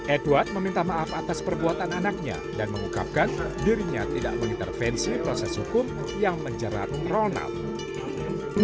edward meminta maaf atas perbuatan anaknya dan mengungkapkan dirinya tidak mengintervensi proses hukum yang menjerat ronald